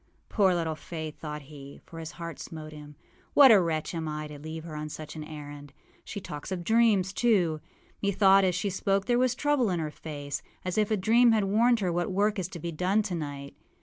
âPoor little Faith!â thought he, for his heart smote him. âWhat a wretch am I to leave her on such an errand! She talks of dreams, too. Methought as she spoke there was trouble in her face, as if a dream had warned her what work is to be done tonight.